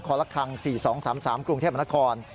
คลคลักคัง๔๒๓๓กรุงเทพมนตร์คล